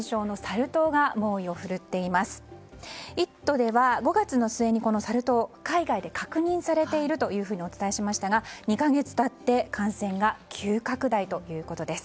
「イット！」では５月の末にこのサル痘が海外で確認されているとお伝えしましたが２か月経って感染が急拡大ということです。